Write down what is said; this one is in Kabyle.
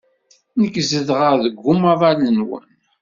Nekk zedɣeɣ deg umaḍal-nwen.